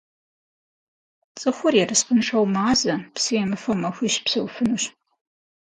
Цӏыхур ерыскъыншэу мазэ, псы емыфэу махуищ псэуфынущ.